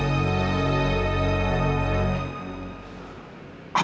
taufan aku ingin tahu